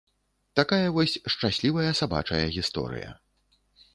Такая вось шчаслівая сабачая гісторыя.